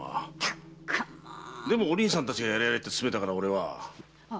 でもお凛さんたちがやれってすすめたから俺は。